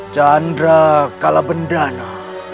chandra kalah bendana